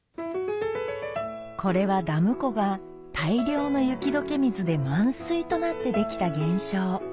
これはダム湖が大量の雪解け水で満水となってできた現象